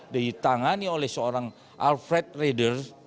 ditangani oleh seorang alfred raider